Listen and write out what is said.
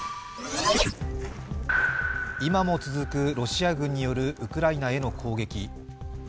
今も続く、ロシア軍によるウクライナへの攻撃。